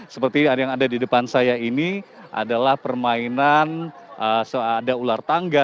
seperti yang ada di depan saya ini adalah permainan seada ular tangga